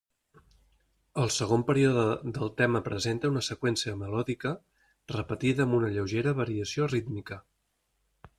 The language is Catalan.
El segon període del tema presenta una seqüència melòdica repetida amb una lleugera variació rítmica.